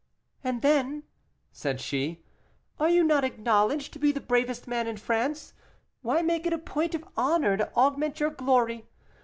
"And then," said she, "are you not acknowledged to be the bravest man in France? Why make it a point of honor to augment your glory?